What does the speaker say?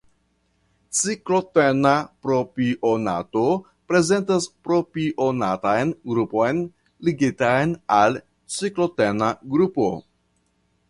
Ciklotena propionato prezentas propionatan grupon ligitan al ciklotena grupo.